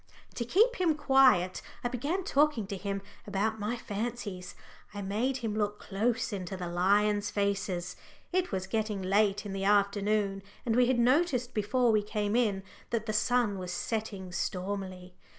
To keep him quiet I began talking to him about my fancies. I made him look close into the lions' faces it was getting late in the afternoon, and we had noticed before we came in that the sun was setting stormily.